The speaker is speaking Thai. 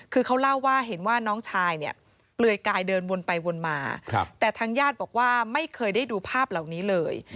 คือเขาเล่าว่าเห็นว่าน้องชายเนี่ยเปลือยกายเดินวนไปวนมาแต่ทางญาติบอกว่าไม่เคยได้ดูภาพเหล่านี้เลย